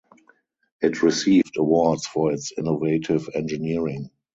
It received awards for its innovative engineering.